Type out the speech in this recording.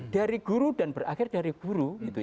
dari guru dan berakhir dari guru